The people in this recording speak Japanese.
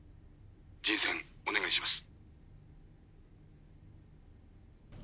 人選お願いします。